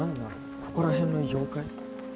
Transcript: ここら辺の妖怪？